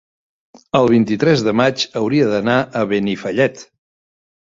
el vint-i-tres de maig hauria d'anar a Benifallet.